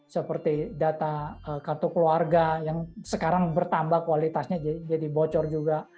seperti data kartu keluarga yang sekarang bertambah kualitasnya jadi bocor juga